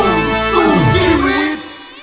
ที่ใจเป้าขอ